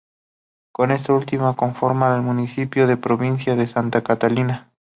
Con esta última conforma el municipio de Providencia y Santa Catalina.